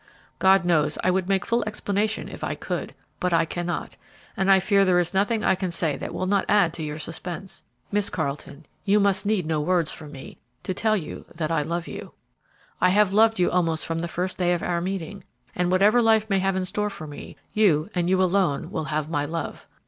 "God knows I would make full explanation if I could, but I cannot, and I fear there is nothing I can say that will not add to your suspense. Miss Carleton, you must need no words from me to tell you that I love you. I have loved you almost from the first day of our meeting, and whatever life may have in store for me, you, and you alone, will have my love.